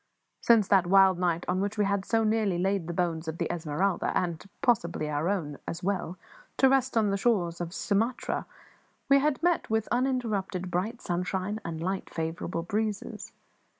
Since that wild night on which we had so nearly laid the bones of the Esmeralda and possibly our own as well to rest on the shores of Sumatra, we had met with uninterrupted bright sunshine and light, favourable breezes.